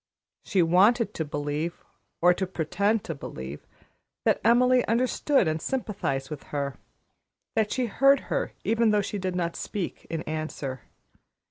She wanted to believe, or to pretend to believe, that Emily understood and sympathized with her, that she heard her even though she did not speak in answer.